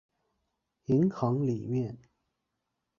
银行里面